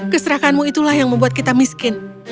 keserakanmu itulah yang membuat kita miskin